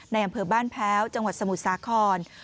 อำเภอบ้านแพ้วจังหวัดสมุทรสาคร